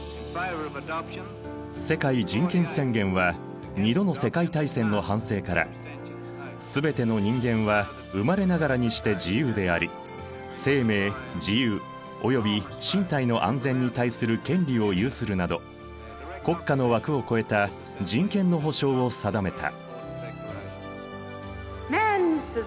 世界人権宣言は２度の世界大戦の反省から「すべての人間は生まれながらにして自由であり生命自由及び身体の安全に対する権利を有する」など国家の枠を超えた人権の保障を定めた。